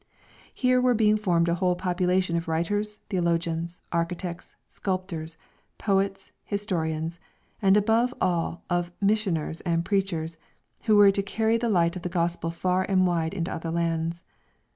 Here were being formed a whole population of writers, theologians, architects, sculptors, poets, historians, and above all of missioners and preachers, who were to carry the light of the Gospel far and wide into other lands.